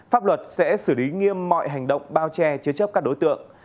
pháp luật sẽ xử lý nghiêm mọi hành động bao che chế chấp các đối tượng